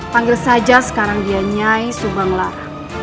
panggil saja sekarang dia nyai subanglah